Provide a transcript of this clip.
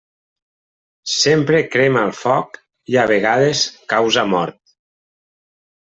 Sempre crema el foc i a vegades causa mort.